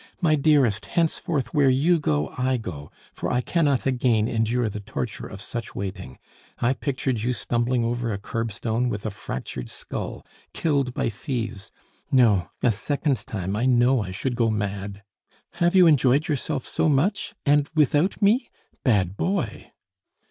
"My dearest, henceforth where you go I go, for I cannot again endure the torture of such waiting. I pictured you stumbling over a curbstone, with a fractured skull! Killed by thieves! No, a second time I know I should go mad. Have you enjoyed yourself so much? And without me! Bad boy!"